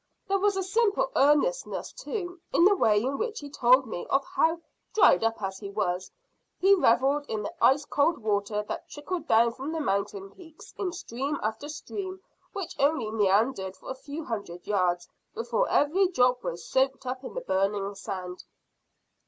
There was a simple earnestness, too, in the way in which he told me of how, dried up as he was, he revelled in the ice cold water that trickled down from the mountain peaks in stream after stream which only meandered for a few hundred yards before every drop was soaked up in the burning sand."